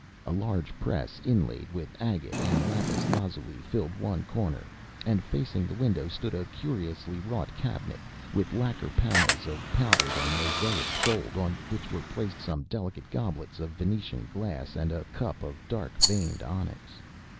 A large press, inlaid with agate and lapis lazuli, filled one corner, and facing the window stood a curiously wrought cabinet with lacquer panels of powdered and mosaiced gold, on which were placed some delicate goblets of Venetian glass, and a cup of dark veined onyx.